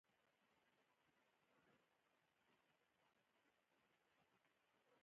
ازادي راډیو د روغتیا د ستونزو رېښه بیان کړې.